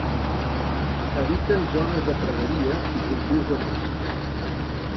Habiten zones de praderia i cultius herbacis.